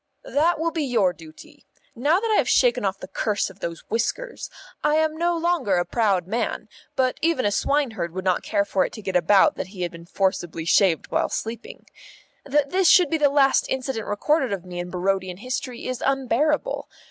"That will be your duty. Now that I have shaken off the curse of those whiskers, I am no longer a proud man, but even a swineherd would not care for it to get about that he had been forcibly shaved while sleeping. That this should be the last incident recorded of me in Barodian history is unbearable.